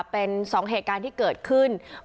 เป็นสองเหตุการณ์ที่เกิดขึ้นเค้าช่วยกุฎของคนใหญ่